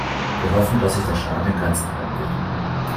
Wir hoffen, dass sich der Schaden in Grenzen halten wird.